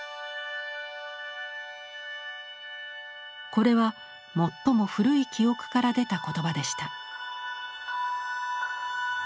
これは最も古い記憶から出た言葉でした。